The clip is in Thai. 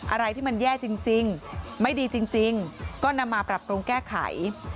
อะไรที่มันแย่จริงไม่ดีจริงก็นำมาปรับปรุงแก้ไข